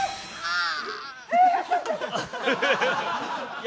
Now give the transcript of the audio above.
ああ。